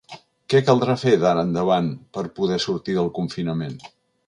Què caldrà fer d’ara endavant per poder sortir del confinament?